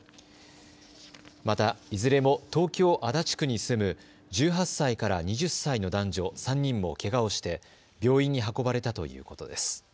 また、いずれも東京足立区に住む１８歳から２０歳の男女３人もけがをして病院に運ばれたということです。